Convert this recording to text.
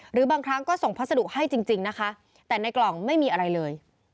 หรือบางครั้งก็ส่งพัสดุให้จริงนะคะแต่ในกล่องไม่มีอะไรเลย